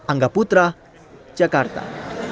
angga putra jakarta